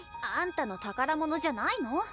あんたの宝物じゃないの？